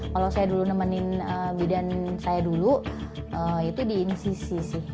kalau saya dulu nemenin bidan saya dulu itu diin sisi sih